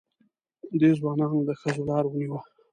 دې ځوانانو د ښځو لاره ونیوه.